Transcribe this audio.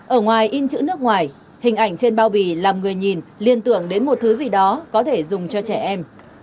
ở ngoài in chữ nước ngoài hình ảnh trên bao bì làm người nhìn liên tưởng đến một thứ gì đó có thể dùng cho trẻ em